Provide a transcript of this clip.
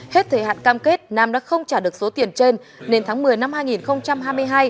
hết thời hạn cam kết nam đã không trả được số tiền trên nên tháng một mươi năm hai nghìn hai mươi hai